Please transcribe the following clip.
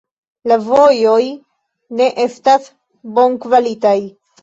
La vojoj ne estas bonkvalitaj.